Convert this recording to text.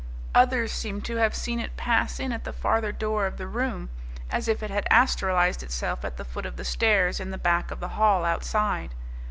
Others seemed to have seen it pass in at the farther door of the room, as if it had astralized itself at the foot of the stairs in the back of the hall outside.